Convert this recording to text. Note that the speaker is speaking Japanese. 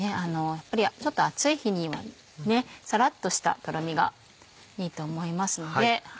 やっぱりちょっと暑い日にはさらっとしたとろみがいいと思いますので。